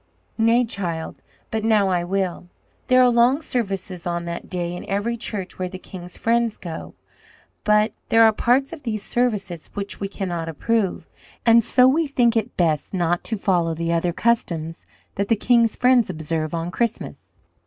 "Nay, child, but now I will. There are long services on that day in every church where the king's friends go. But there are parts of these services which we cannot approve; and so we think it best not to follow the other customs that the king's friends observe on Christmas.